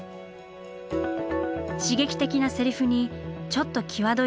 刺激的なセリフにちょっと際どい内容。